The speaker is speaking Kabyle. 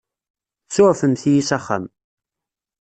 Tsuɛfemt-iyi s axxam.